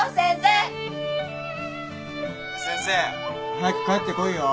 早く帰ってこいよ。